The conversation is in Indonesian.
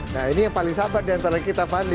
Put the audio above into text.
nah ini yang paling sabar diantara kita fandi